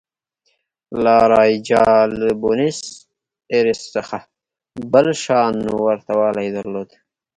لا رایجا له بونیس ایرس څخه بل شان ورته والی درلود.